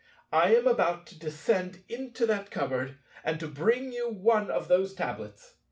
I am about to descend into that cupboard and to bring you one of those tablets.